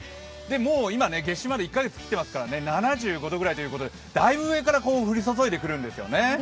もう今、夏至まで１カ月切っていますから７５度ぐらいということで、だいぶ上から降り注いでくるんですよね。